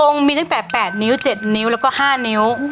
มีตั้งแต่๘นิ้ว๗นิ้วแล้วก็๕นิ้ว